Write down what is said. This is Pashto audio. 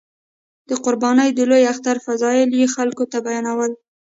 د قربانۍ د لوی اختر فضایل یې خلکو ته بیانول.